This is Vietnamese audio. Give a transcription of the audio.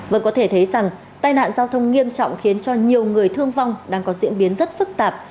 vâng có thể thấy rằng tai nạn giao thông nghiêm trọng khiến cho nhiều người thương vong đang có diễn biến rất phức tạp